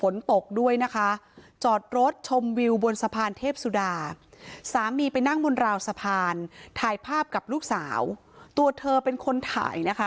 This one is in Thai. ลูกสาวอยู่ดีก็บ่นว่าอยากนอนกับพ่ออยากนอนกับพ่อ